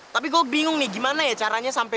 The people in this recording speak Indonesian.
tapi gue bingung nih gimana ya caranya sampai